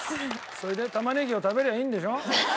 それで玉ねぎを食べりゃあいいんでしょ。